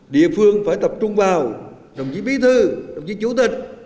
địa phương phải tập trung vào đồng chí bí thư đồng chí chủ tịch